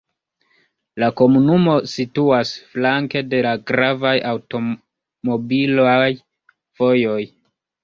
La komunumo situas flanke de la gravaj aŭtomobilaj vojoj.